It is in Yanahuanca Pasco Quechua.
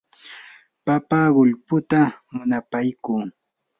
papa qullputa munapaykuu.